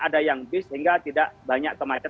ada yang bis sehingga tidak banyak kemacetan